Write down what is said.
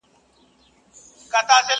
مُلا دي لولي زه سلګۍ درته وهمه؛